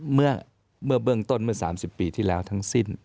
เมื่อเบื้องต้นเมื่อ๓๐ปีที่แล้วทั้งสิ้น